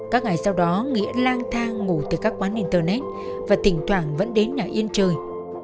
các ngày sau đó nghĩa lang thang ngủ từ các quán internet và tỉnh thoảng vẫn đến nhà yên chơi